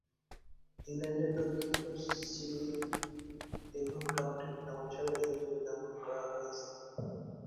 ইংল্যান্ডের দক্ষিণ-পশ্চিমে ডেভন কাউন্টির নামানুসারে এই যুগের নামকরণ করা হয়েছে।